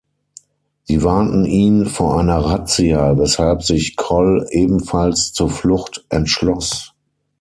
Sie warnten ihn vor einer Razzia, weshalb sich Coll ebenfalls zur Flucht entschloss.